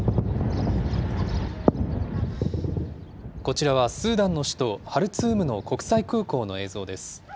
こちらはスーダンの首都ハルツームの国際空港の映像です。